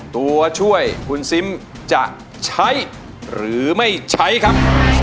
ตัวช่วยคุณซิมจะใช้หรือไม่ใช้ครับ